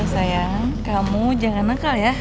iya sayang kamu jangan nengkal ya